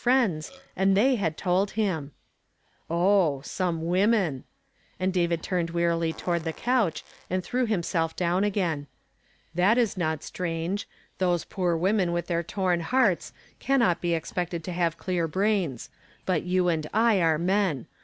nds, and they hud told him. , 'some won.en'!" and David turned own David women "Oh wearily toward the couch, niul threw himself d again. " That is not strange ; those poor women with their t^rn hearts, caiuiot be expected to have clear brains ; l)ut you and I are men.